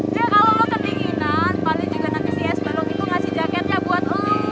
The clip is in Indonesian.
ya kalau lo kedinginan paling juga nanti si esbalok itu ngasih jaketnya buat lo